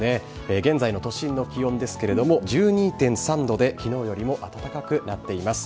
現在の都心の気温ですけれども、１２．３度できのうよりも暖かくなっています。